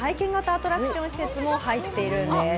アトラクション施設も入っているんです。